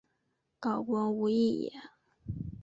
告官无益也。